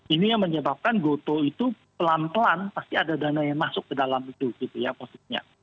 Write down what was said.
ini yang menyebabkan gotoh itu pelan pelan pasti ada dana yang masuk ke dalam itu gitu ya posisinya